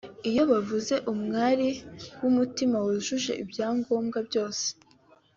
Iyo bavuze umwali w’umutima wujuje ibyangombwa byose